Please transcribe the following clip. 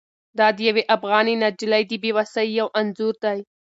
دا د یوې افغانې نجلۍ د بې وسۍ یو انځور دی.